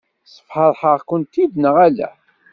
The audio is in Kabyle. Sfeṛḥeɣ-kent-id neɣ ala?